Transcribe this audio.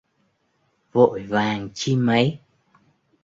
Vội vàng chi mấy